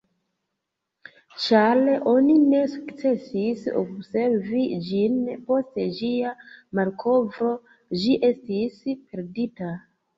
Ĉar oni ne sukcesis observi ĝin post ĝia malkovro, ĝi estis perdita.